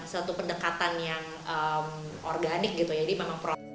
satu pendekatan yang organik gitu jadi memang pro